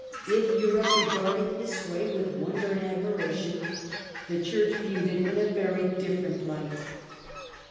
If Europe regarded his sway with wonder and admiration, the Church viewed it in a very different light.